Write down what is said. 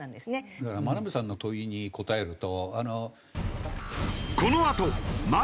だから眞鍋さんの問いに答えると。